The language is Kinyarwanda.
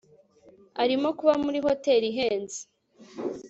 Arimo kuba muri hoteli ihenze